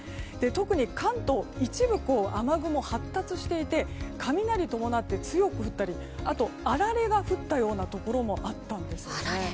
特に関東一部雨雲が発達していて雷を伴って強く降ったりあられが降ったようなところもあったんです。